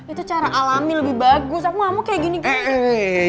itu cara alami lebih bagus aku gak mau kayak gini gini